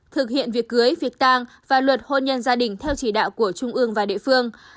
thực hiện việc cưới việc tàng và luật hôn nhân gia đình theo chỉ đạo của trung ương và địa phương